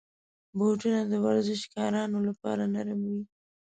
بوټونه د ورزشکارانو لپاره نرم وي.